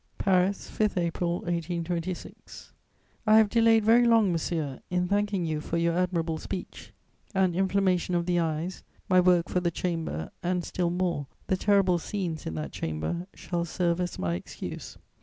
"PARIS, 5 April 1826." [Sidenote: Letter from Benjamin Constant.] "I have delayed very long, monsieur, in thanking you for your admirable speech. An inflammation of the eyes, my work for the Chamber and, still more, the terrible scenes in that Chamber shall serve as my excuse.